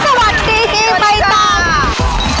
สวัสดีทีใบตอง